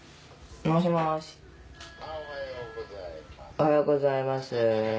おはようございます。